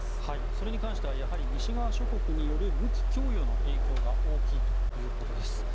それに関しては西側諸国による武器供与の影響が大きいということです。